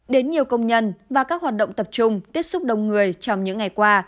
đến nhiều công nhân và các hoạt động tập trung tiếp xúc đông người trong những ngày qua